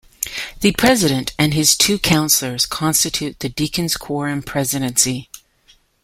The president and his two counselors constitute the deacons quorum presidency.